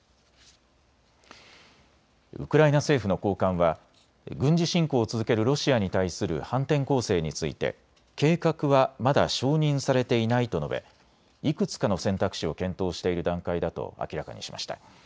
ウクライナ政府の高官は軍事侵攻を続けるロシアに対する反転攻勢について計画はまだ承認されていないと述べいくつかの選択肢を検討している段階だと明らかにしました。